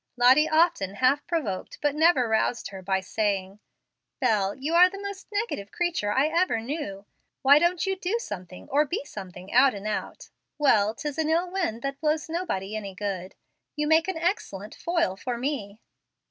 Lottie often half provoked but never roused her by saying: "Bel, you are the most negative creature I ever knew. Why don't you do something or be something out and out? Well, ''Tis an ill wind that blows nobody any good.' You make an excellent foil for me."